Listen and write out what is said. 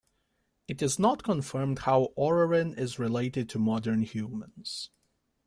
It is not confirmed how "Orrorin" is related to modern humans.